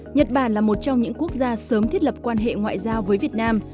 nhật bản là một trong những quốc gia sớm thiết lập quan hệ ngoại giao với việt nam